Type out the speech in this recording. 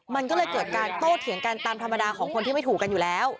มันก็เลยเกิดการโต้เถียงกันตามธรรมดาของคนที่ไม่ถูกกันอยู่แล้ว